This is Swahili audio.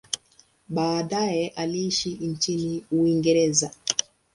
Baadaye aliishi nchini Uingereza.